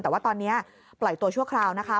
แต่ว่าตอนนี้ปล่อยตัวชั่วคราวนะคะ